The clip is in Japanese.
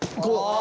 あ。